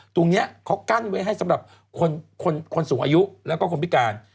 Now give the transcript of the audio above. ตรงนี้เขากั้นไว้ให้สำหรับคนสูงอายุแล้วก็คนพิการ